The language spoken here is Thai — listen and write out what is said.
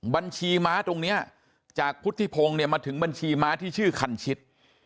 บัญชีม้าตรงนี้จากพุทธิพงศ์เนี่ยมาถึงบัญชีม้าที่ชื่อคันชิด